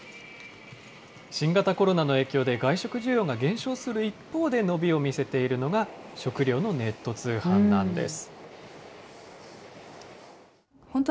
新型コロナの影響で外食需要が減少する一方で、伸びを見せているのが、食料のネット通販なんです。